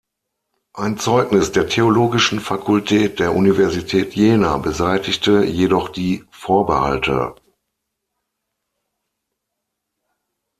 Ein Zeugnis der theologischen Fakultät der Universität Jena beseitigte jedoch die Vorbehalte.